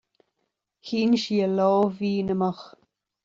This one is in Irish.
Shín sí a lámh mhín amach.